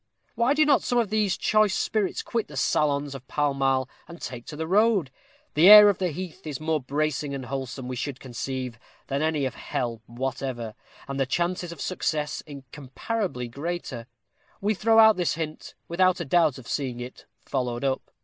Why do not some of these choice spirits quit the salons of Pall Mall, and take to the road? the air of the heath is more bracing and wholesome, we should conceive, than that of any "hell" whatever, and the chances of success incomparably greater. We throw out this hint, without a doubt of seeing it followed up.